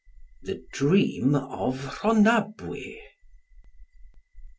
THE DREAM OF RHONABWY.